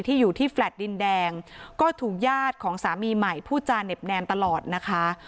อยู่ที่แฟลต์ดินแดงก็ถูกญาติของสามีใหม่พูดจาเหน็บแนมตลอดนะคะ